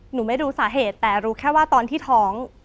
ไม่รู้สาเหตุแต่รู้แค่ว่าตอนที่ท้อง